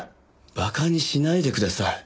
バカにしないでください。